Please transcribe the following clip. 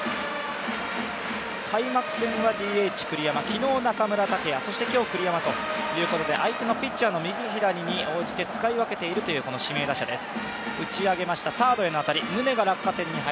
開幕戦はＤＨ・栗山、昨日中村剛也、そして今日は栗山ということで、相手のピッチャーの右左で使い分けている指名打者です。